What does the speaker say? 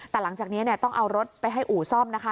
แต่หลังจากนี้ต้องเอารถไปให้อู่ซ่อมนะคะ